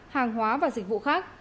hàng hóa và dịch vụ khác